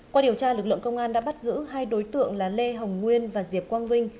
qua điều tra lực lượng công an đã bắt giữ hai đối tượng là lê hồng nguyên và diệp quang vinh